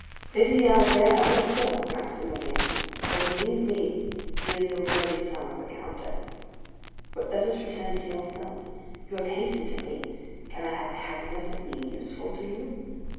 "Pity Albert also, Maximilian; for believe me he is the worthy son of the countess. But let us return to yourself. You have hastened to me—can I have the happiness of being useful to you?"